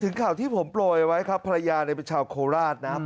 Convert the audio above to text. ถึงข่าวที่ผมโปรยไว้ครับภรรยาในประชาวโคลาสนะครับ